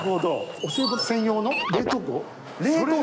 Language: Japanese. お歳暮専用の冷凍庫。